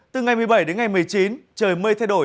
từ ngày một mươi bảy đến ngày một mươi chín trời mây thay đổi